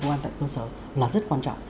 công an tại cơ sở là rất quan trọng